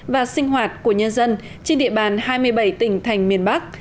và sinh hoạt của nhân dân trên địa bàn hai mươi bảy tỉnh thành miền bắc